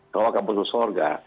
kalau kau bunuh surga